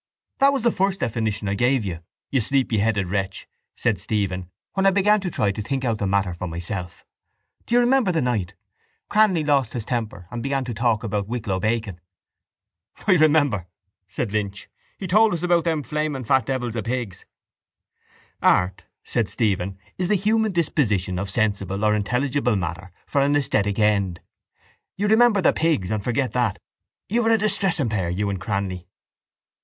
—That was the first definition I gave you, you sleepyheaded wretch, said Stephen, when I began to try to think out the matter for myself. Do you remember the night? Cranly lost his temper and began to talk about Wicklow bacon. —I remember, said Lynch. He told us about them flaming fat devils of pigs. —Art, said Stephen, is the human disposition of sensible or intelligible matter for an esthetic end. You remember the pigs and forget that. You are a distressing pair, you and Cranly.